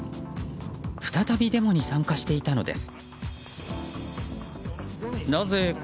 再びデモに参加していたのです。